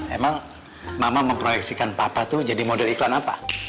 emang mama memproyeksikan papa tuh jadi model iklan apa